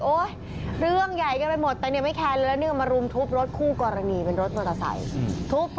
เรื่องใหญ่กันไปหมดแต่เนี่ยไม่แคร์เลยแล้วเนี่ยมารุมทุบรถคู่กรณีเป็นรถมอเตอร์ไซค์